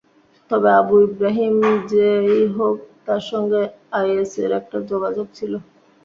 তবে আবু ইব্রাহিম যে-ই হোক, তাঁর সঙ্গে আইএসের একটা যোগাযোগ ছিল।